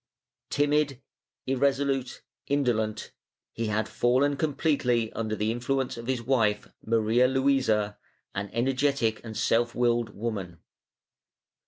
Timid, irresolute, indolent, he had fallen completely under the influence of his wife Maria Luisa, an energetic and self willed woman.